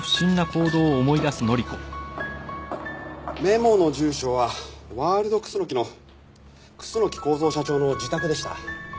メモの住所はワールドクスノキの楠木孝蔵社長の自宅でした。